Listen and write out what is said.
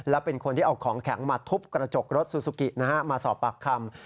และเป็นคนที่เอาของแข็งมาทุบกระจกรถซูซูกิมาสอบปากคำ